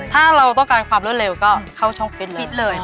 ถ้าเราต้องการความรวดเร็วก็เข้าช่องฟิตเลยฟิตเลย